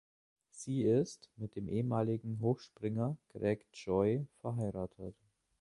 Sie ist mit dem ehemaligen Hochspringer Greg Joy verheiratet.